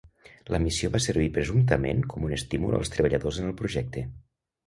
La missió va servir presumptament com un estímul als treballadors en el projecte.